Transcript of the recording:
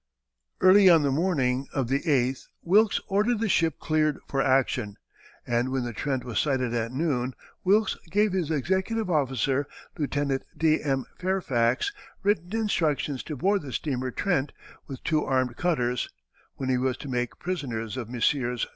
Early on the morning of the 8th Wilkes ordered the ship cleared for action, and when the Trent was sighted at noon, Wilkes gave his executive officer, Lieutenant D. M. Fairfax, written instructions to board the steamer Trent, with two armed cutters, when he was to make prisoners of Messrs.